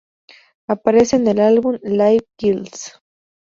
Aparece en el álbum "Live Killers".